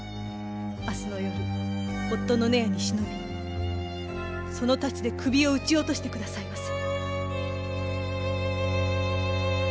明日の夜夫の閨に忍びその太刀で首を打ち落としてくださいませ。